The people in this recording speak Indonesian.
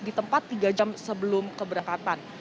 di tempat tiga jam sebelum keberangkatan